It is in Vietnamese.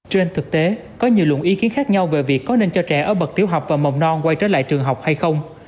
trên thực tế có nhiều luận ý kiến khác nhau về việc có nên cho trẻ ở bậc tiểu học và mầm non quay trở lại trường học hay không